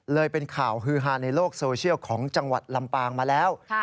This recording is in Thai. เป็นข่าวฮือฮาในโลกโซเชียลของจังหวัดลำปางมาแล้ว